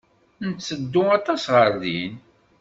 Netteddu aṭas ɣer din.